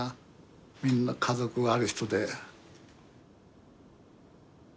みんな家族ある人で。